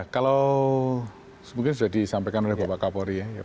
kalau mungkin sudah disampaikan oleh bapak kapolri ya